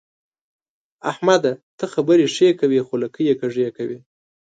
احمده! ته خبرې ښې کوې خو لکۍ يې کږې کوي.